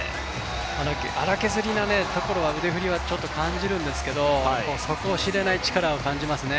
荒削りなところは、腕振りはちょっと感じるんですけど、底知れない力を感じますね。